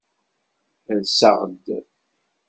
Rseɣ-d.